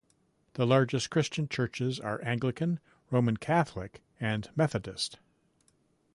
The largest Christian churches are Anglican, Roman Catholic, and Methodist.